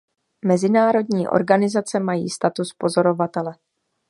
Mezinárodní organizace mají status pozorovatele.